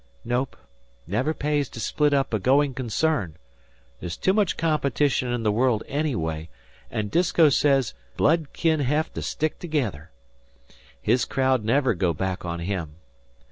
"Nope; never pays to split up a going concern. There's too much competition in the world anyway, and Disko says 'blood kin hev to stick together.' His crowd never go back on him.